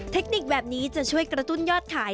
เทคนิคแบบนี้จะช่วยกระตุ้นยอดขาย